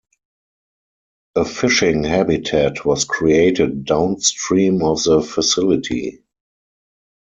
A fishing habitat was created downstream of the facility.